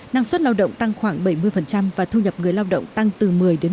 năng suất lao động tăng khoảng bảy mươi và thu nhập người lao động tăng từ một mươi một mươi